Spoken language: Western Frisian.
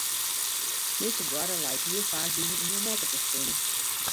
Dizze boarre leit hiel faak by my yn de nekke te spinnen.